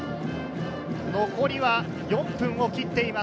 残りは４分を切っています。